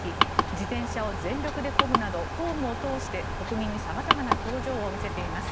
自転車を全力でこぐなど公務を通して国民に様々な表情を見せています。